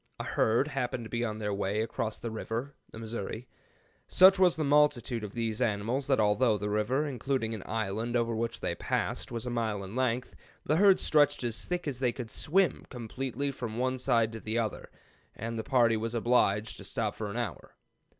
A herd happened to be on their way across the river [the Missouri]. Such was the multitude of these animals that although the river, including an island over which they passed, was a mile in length, the herd stretched as thick as they could swim completely from one side to the other, and the party was obliged to stop for an hour.